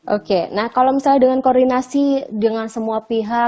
oke nah kalau misalnya dengan koordinasi dengan semua pihak